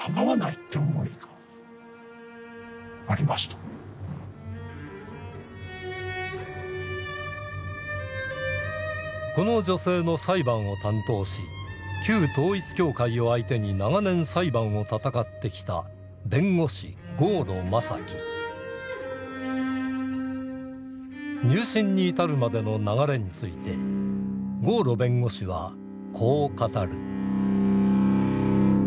それでこの女性の裁判を担当し旧統一教会を相手に長年裁判を闘ってきた入信に至るまでの流れについて郷路弁護士はこう語る。